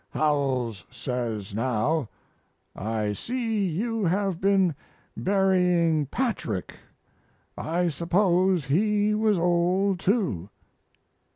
Howells says now, "I see you have been burying Patrick. I suppose he was old, too."